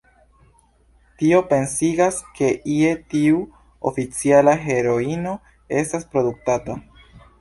Tio pensigas, ke ie tiu oficiala heroino estas produktata.